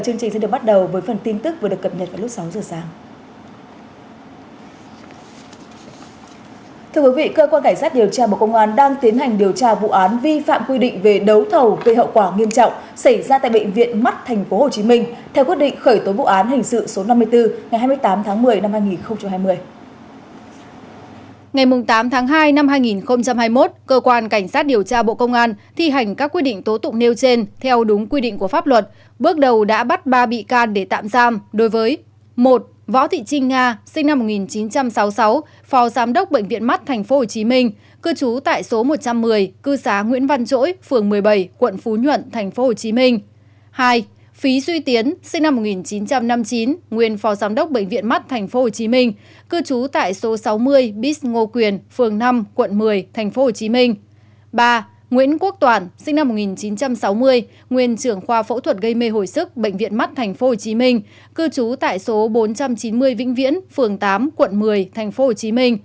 ba nguyễn quốc toản sinh năm một nghìn chín trăm sáu mươi nguyên trưởng khoa phẫu thuật gây mê hồi sức bệnh viện mắt tp hcm cư trú tại số bốn trăm chín mươi vĩnh viễn phường tám quận một mươi tp hcm